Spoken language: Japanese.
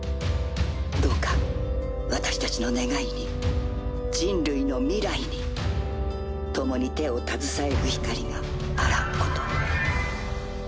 どうか私たちの願いに人類の未来に共に手を携える光があらんことを。